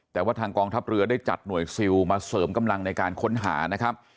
แต่ว่าทางกองทัพเรือได้จัดหน่วยซิลมาเสริมกำลังในการค้นหานะครับ